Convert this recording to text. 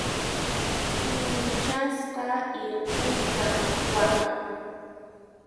T'uruchasqa irqiqa waqan.